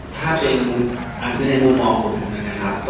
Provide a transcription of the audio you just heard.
ถ้าเป็นในมุมมองคุณนะครับ